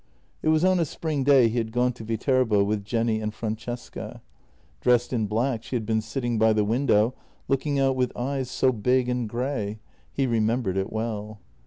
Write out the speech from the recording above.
It was on a spring day he had gone to Viterbo with Jenny and Francesca. Dressed in black, she had been sitting by the window looking out with eyes so big and grey — he remem bered it well.